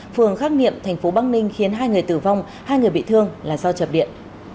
phường khắc niệm tp bắc ninh khiến hai người tử vong hai người bị thương là do chập điện